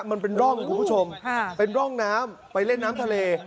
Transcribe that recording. มันเป็นร่องคุณผู้ชมเป็นร่องน้ำไปเล่นน้ำทะเล